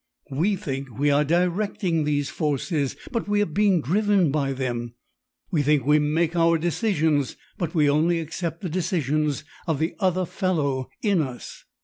We think we are directing these forces, but we are being driven by them; we think we make our decisions, but we only accept the decisions of 'the other fellow' in us.